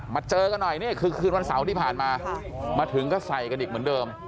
เจอกันหน่อยนี่คือคืนวันเสาร์ที่ผ่านมามาถึงก็ใส่กันอีกเหมือนเดิม